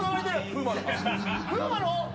風磨の。